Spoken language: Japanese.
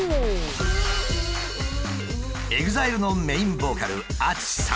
ＥＸＩＬＥのメインボーカルＡＴＳＵＳＨＩさん。